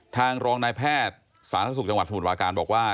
ทางรองนายแพทย์สาธารณสุขจังหวัดสมุทรวาการบอกว่า